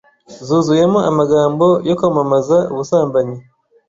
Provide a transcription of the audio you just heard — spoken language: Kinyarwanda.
zuzuyemo amagambo yo kwamamaza ubusambanyi,